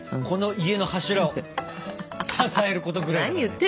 この家の柱を支えることぐらいだよ。